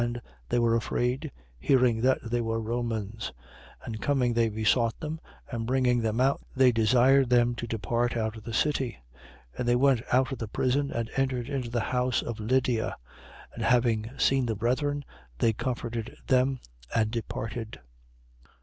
And they were afraid: hearing that they were Romans. 16:39. And coming, they besought them: and bringing them out, they desired them to depart out of the city. 16:40. And they went out of the prison and entered into the house of Lydia: and having seen the brethren, they comforted them and departed.